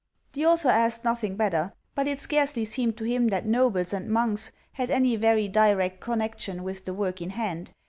The author asked nothing better ; but it scarcely seemed to him that nobles and monks had any very direct connection with the work in hand.